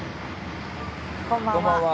こんばんは。